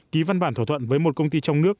ký văn bản thỏa thuận với một công ty trong nước